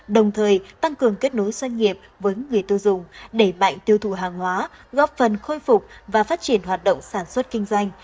đồng thời tăng cường kết nối doanh nghiệp với người tiêu dùng đẩy mạnh tiêu thụ hàng hóa góp phần khôi phục và phát triển hoạt động sản xuất kinh doanh